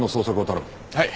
はい！